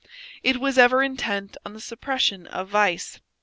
It was ever intent on the suppression of vice.